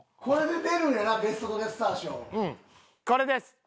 これです。